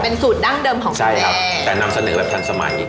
เป็นสูตรดั้งเดิมของใช่ครับแต่นำเสนอแบบทันสมัย